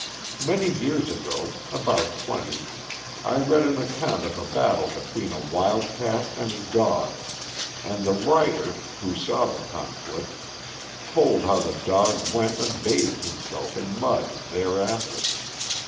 Many years ago about twenty I read an account of a battle between a wildcat and a dog, and the writer, who saw the conflict, told how the dog went and bathed himself in mud thereafter.